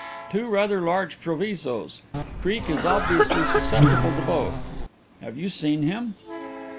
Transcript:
"Two rather large provisos. Creake is obviously susceptible to both. Have you seen him?"